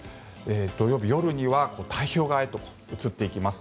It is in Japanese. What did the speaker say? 土曜日夜には太平洋側へと移っていきます。